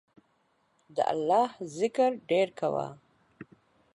د الله ذکر ډیر کوه